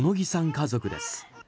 家族です。